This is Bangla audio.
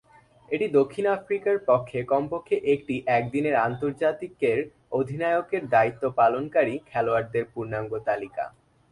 এটি দক্ষিণ আফ্রিকার পক্ষে কমপক্ষে একটি একদিনের আন্তর্জাতিকের অধিনায়কের দায়িত্ব পালনকারী খেলোয়াড়দের পূর্ণাঙ্গ তালিকা।